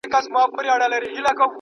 د درو کسانو څخه قلم پورته سوی دی.